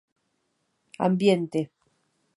Ambiente...